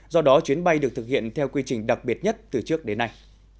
do đó chuyến bay được thực hiện theo quy trình đặc biệt nhất từ trước đến nay